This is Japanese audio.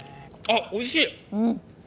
あ、おいしい。